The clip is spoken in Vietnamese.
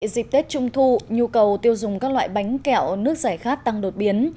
dịp tết trung thu nhu cầu tiêu dùng các loại bánh kẹo nước giải khát tăng đột biến